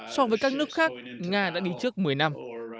so với các nước khác nga đã đi trước một mươi năm